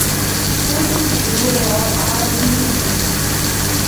كنت في دور عرض للسينما.